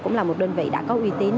cũng là một đơn vị đã có uy tín